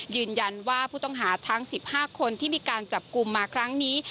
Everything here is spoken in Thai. ยืนยันว่าผู้ต้องหาทั้ง๑๕คนที่มีการจับกลุ่มมาครั้งนี้